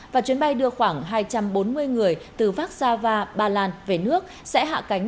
và chuyến bay đưa khoảng hai trăm bốn mươi người từ vác sa va ba lan về nước sẽ hạ cánh